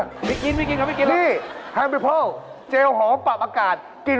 อันนี้ดีกว่านี่